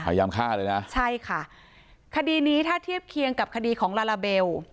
พยายามฆ่าเลยนะใช่ค่ะคดีนี้ถ้าเทียบเคียงกับคดีของลาลาเบล